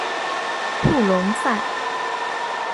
库隆塞。